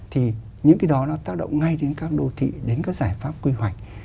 thì những cái đó nó tác động ngay đến các đô thị đến các giải pháp quy hoạch